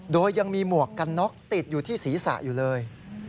โดยยังมีหมวกกันน็อกติดอยู่ที่ศีรษะอยู่เลย